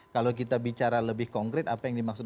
kalau kita bicara lebih konkret apa yang dimaksud